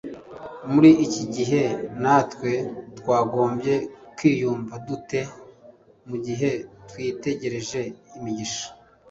Muri iki gihe natwe twagombye kwiyumva dute mu gihe twitegereje imigisha